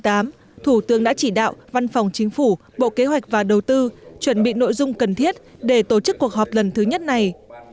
trong năm hai nghìn tám thủ tướng đã chỉ đạo văn phòng chính phủ bộ kế hoạch và đầu tư chuẩn bị nội dung cần thiết để tổ chức cuộc họp lần thứ nhất này